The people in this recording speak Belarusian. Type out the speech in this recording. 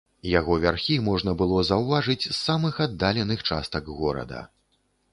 Яго вярхі можна было заўважыць з самых аддаленых частак горада.